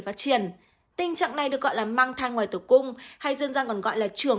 phát triển tình trạng này được gọi là mang thai ngoài tử cung hay dân gian còn gọi là trường